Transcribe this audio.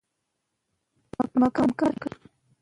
که ناروغان سپورت ونه کړي، وضعیت یې خرابېږي.